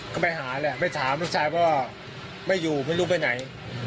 ก็ไปหาแหละไปถามลูกชายเพราะว่าไม่อยู่ไม่รู้ไปไหน